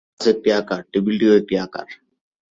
Glass একটি আকার, টেবিলটিও একটি আকার।